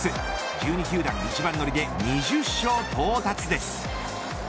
１２球団一番乗りで２０勝到達です。